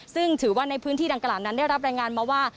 ซึ่งถือว่าในพื้นที่ดังกล่าวนั้นได้รับรายงานมาว่า